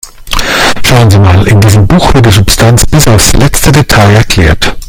Schauen Sie mal, in diesem Buch wird die Substanz bis aufs letzte Detail erklärt.